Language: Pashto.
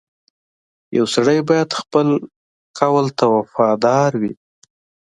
• یو سړی باید خپل قول ته وفادار وي.